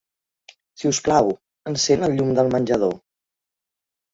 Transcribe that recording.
Si us plau, encén el llum del menjador.